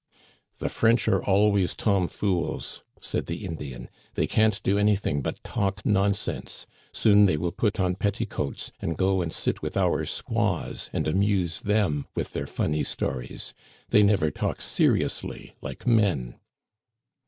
The French are always tomfools," said the Indian. They can't do anything but talk nonsense. Soon they will put on petticoats and go and sit with our squaws, and amuse them with their funny stories. They never talk seriously like men."